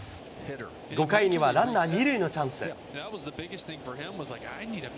５回にはランナー２塁のチャンス。